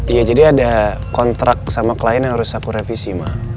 iya jadi ada kontrak sama klien yang harus aku revisi mah